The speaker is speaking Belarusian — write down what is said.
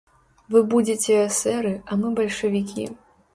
Вы будзеце эсэры, а мы бальшавікі.